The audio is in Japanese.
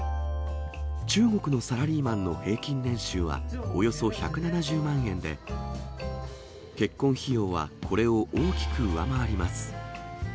中国のサラリーマンの平均年収はおよそ１７０万円で、結婚費用はこれを大きく上回ります。